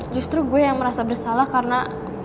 justru gue yang merasa bersalah karena